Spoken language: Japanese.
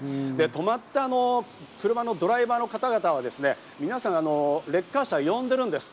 止まった車のドライバーの方々は皆さん、レッカー車を呼んでいるんです。